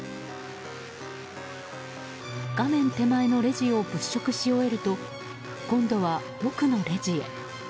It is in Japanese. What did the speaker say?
画面手前のレジを物色し終えると今度は奥のレジへ。